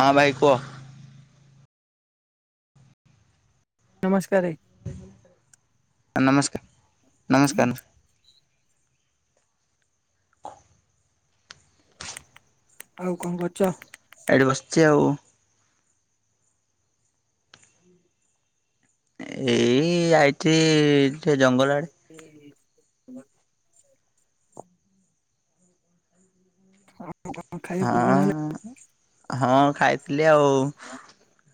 ହଁ ଭାଇ କୁହ। ନମସ୍କାରେ। ଆ ନମସ୍କାର ନମସ୍କାର ନମ ଆଉ କଣ କରୁଛ? ଏଇଠି ବସିଛି ଆଉ ଏଇ ଆଇଛି ସେ ଜଙ୍ଗଲ ଆଡେ ଏଇ ଜ ହଁ [inaudible] ଖାଇ ପିଆ କଣ ହଁ ହେଲା? ହଁ ଖାଇଥିଲି ଆଉ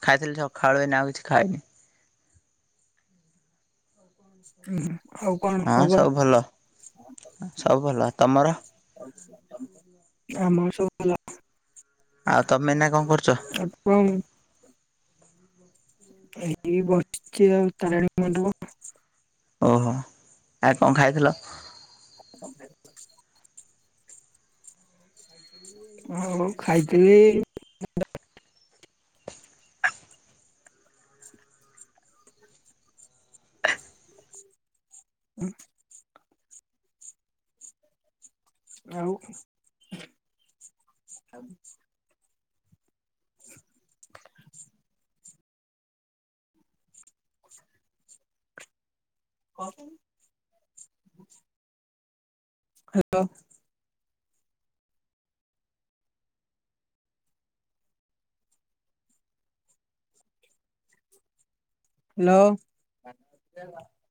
ଖାଇଥିଲି ସଖାଳୁ ଏଇନା ଆଉ କିଛି ଖାଇନି। ହୁଁ ଆଉ କଣ ହଁ ଖବର ସବୁ ଭଲ ହ ସବୁ ଭଲ ତମର? [unintelligible] ଆମର ସବୁ ଭଲ। ଆଉ ତମେ ଏଇନା କଣ କରୁଛ? ଆପ। [unintelligible] ଏଇ ବସିଛି ଆଉ ତାରିଣୀ ମଣ୍ଡପରେ ଓହୋ ଆଉ କଣ ଖାଇଥିଲ? [inaudible] ହଁ ଖାଇଥିଲି। ହୁଁ। ଆଉ [inaudible] କନ୍ ହେ ଲୋ ହ୍ୟାଲୋ। [unintelligible]